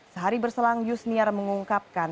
sehari berselang yusniar mengungkapkan